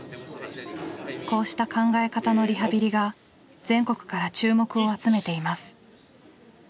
こうした考え方のリハビリが全国から注目を集めています。